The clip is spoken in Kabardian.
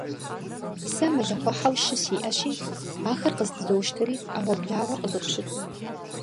Сэ мэлыхъуэхьэу щы сиӀэщи, ахэр къыздызощтэри, Ӏэгъуэблагъэр къызопщыт.